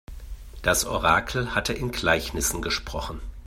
Das Orakel hatte in Gleichnissen gesprochen.